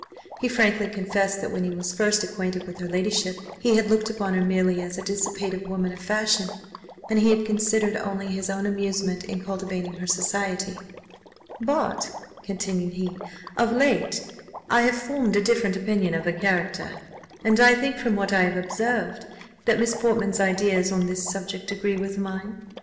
He frankly confessed, that when he was first acquainted with her ladyship, he had looked upon her merely as a dissipated woman of fashion, and he had considered only his own amusement in cultivating her society: "But," continued he, "of late I have formed a different opinion of her character; and I think, from what I have observed, that Miss Portman's ideas on this subject agree with mine.